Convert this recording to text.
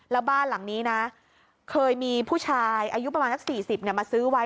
แล้วบ้านหลังนี้นะเคยมีผู้ชายอายุประมาณสัก๔๐มาซื้อไว้